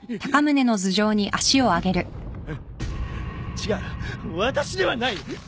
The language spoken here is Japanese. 違う私ではない。